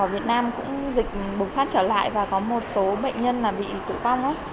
ở việt nam cũng dịch bùng phát trở lại và có một số bệnh nhân bị tử vong